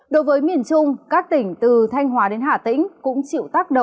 đối với miền trung các tỉnh từ thanh hóa đến hà tĩnh cũng chịu tác động